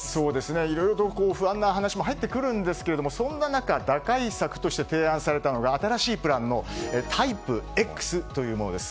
いろいろと不安な話も入ってくるんですがそんな中、打開策として提案されたのが新しいプランのタイプＸというものです。